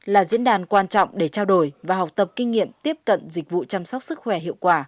là diễn đàn quan trọng để trao đổi và học tập kinh nghiệm tiếp cận dịch vụ chăm sóc sức khỏe hiệu quả